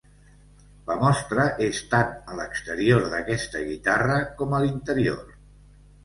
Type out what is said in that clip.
La mostra és tant a l’exterior d’aquesta guitarra com a l’interior.